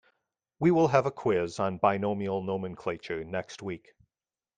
We will have a quiz on binomial nomenclature next week.